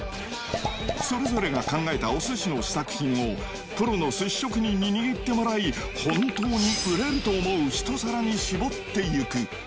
それぞれが考えたお寿司の試作品を、プロの寿司職人に握ってもらい、本当に売れると思う一皿に絞っていく。